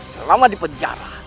selama di penjara